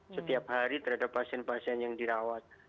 setiap hari terhadap pasien pasien yang dirawat